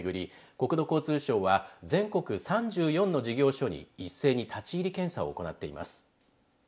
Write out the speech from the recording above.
国土交通省は全国３４の事業所に一斉に立ち入り検査を行っています。